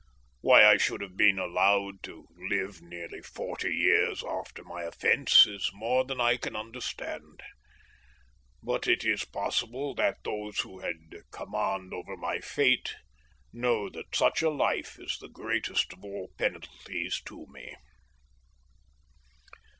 Why I should have been allowed to live nearly forty years after my offence is more than I can understand, but it is possible that those who had command over my fate know that such a life is the greatest of all penalties to me.